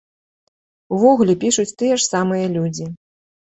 Увогуле, пішуць тыя ж самыя людзі.